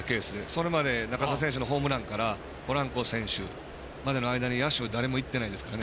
それまで中田選手のホームランからポランコ選手までの間に野手誰も行ってないですから。